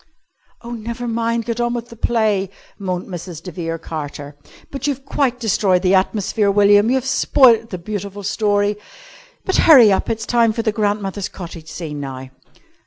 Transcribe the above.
"Oh, never mind! Get on with the play!" moaned Mrs. de Vere Carter. "But you've quite destroyed the atmosphere, William. You've spoilt the beautiful story. But hurry up, it's time for the grandmother's cottage scene now."